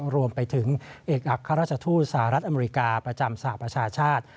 รวมไปถึงเอกอัครราชทูตสหรัฐอเมริกาประจำสหประชาชาติ